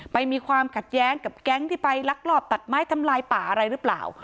มีความขัดแย้งกับแก๊งที่ไปลักลอบตัดไม้ทำลายป่าอะไรหรือเปล่า